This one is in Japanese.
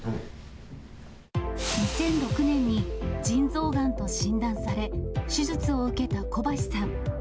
２００６年に腎臓がんと診断され、手術を受けた小橋さん。